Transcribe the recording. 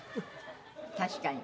確かに。